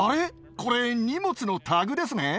これ、荷物のタグですね？